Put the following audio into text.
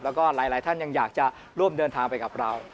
แล้วก็หลายท่านยังอยากจะร่วมเดินทางไปกับเรา